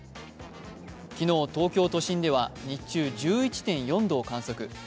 昨日、東京都心では日中１１．４度を観測。